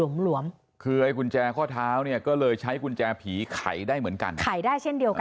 หลวมคือไอ้กุญแจข้อเท้าเนี่ยก็เลยใช้กุญแจผีไขได้เหมือนกันไขได้เช่นเดียวกัน